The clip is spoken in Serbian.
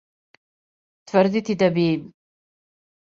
Тврдити да би...